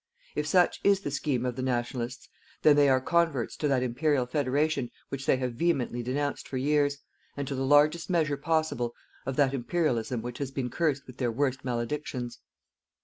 If such is the scheme of the "Nationalists," then they are converts to that Imperial Federation which they have vehemently denounced for years, and to the largest measure possible of that Imperialism which has been cursed with their worst maledictions.